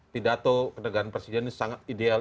pidato kenegaan presiden ini sangat ideal